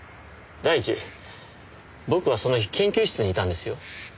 第一僕はその日研究室にいたんですよ。